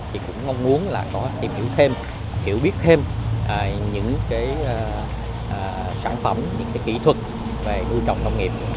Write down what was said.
chị cũng mong muốn có thể hiểu thêm hiểu biết thêm những sản phẩm những kỹ thuật về nuôi trọng nông nghiệp